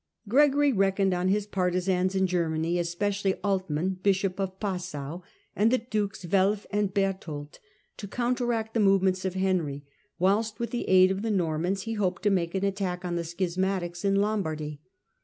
Gregory reckoned on his partisans in Germany, especially Alt man, bishop of Passau, and the dukes Welf and Berthold, to counteract the movements of Henry, whilst with the aid of the Normans he hoped to make an attack on the schismatics in Lombardy.